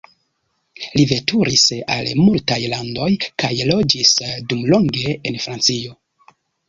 Li veturis al multaj landoj kaj loĝis dumlonge en Francio.